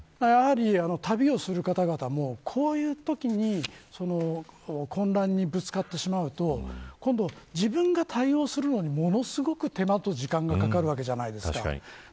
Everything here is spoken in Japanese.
旅をする方々もこういうときに混乱にぶつかってしまうと自分が対応するのに、ものすごく手間と時間がかかるわけじゃないですか。